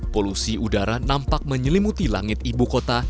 polusi udara nampak menyelimuti langit ibu kota